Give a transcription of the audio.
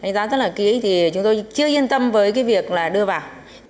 đánh giá rất là kỹ thì chúng tôi chưa yên tâm với cái việc là đưa vào